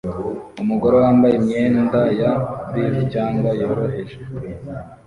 Umugore wambaye imyenda ya buff cyangwa yoroheje